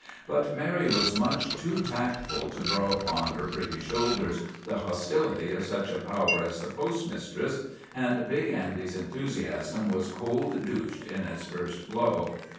But Mary was much too tactful to draw upon her pretty shoulders the hostility of such a power as the postmistress, and Big Andy's enthusiasm was cold douched in its first glow.